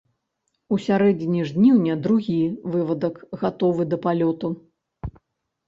У сярэдзіне жніўня другі вывадак гатовы да палёту.